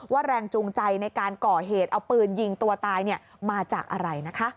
แรงจูงใจในการก่อเหตุเอาปืนยิงตัวตายมาจากอะไรนะคะ